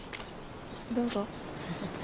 どうぞ。